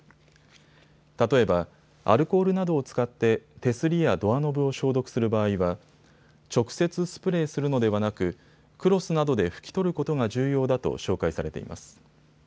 例えば、アルコールなどを使って手すりやドアノブを消毒する場合は直接スプレーするのではなくクロスなどで拭き取ることが重要だと紹介されています。